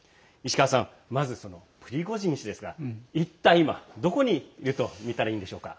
まず、プリゴジン氏ですが一体、今どこにいるんでしょうか。